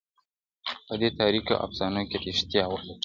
په دې تاریکو افسانو کي ریشتیا ولټوو!.